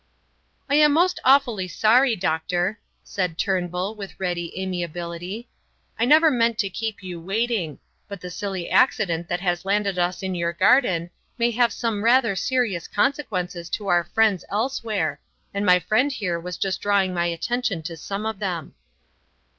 "I am most awfully sorry, Doctor," said Turnbull, with ready amiability; "I never meant to keep you waiting; but the silly accident that has landed us in your garden may have some rather serious consequences to our friends elsewhere, and my friend here was just drawing my attention to some of them."